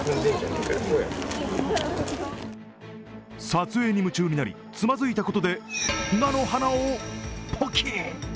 撮影に夢中になり、つまずいたことで菜の花を、ポキリ。